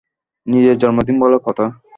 নিজের জন্মদিন বলে কথা।